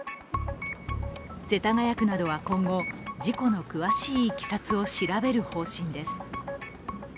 世田谷区などは今後、事故の詳しいいきさつを調べる方針です。